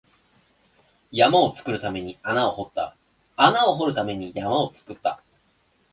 山を作るために穴を掘った、穴を掘るために山を作った